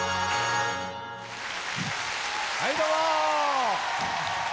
はいどうも！